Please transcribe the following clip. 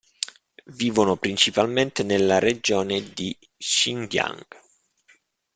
Vivono principalmente nella regione di Xinjiang.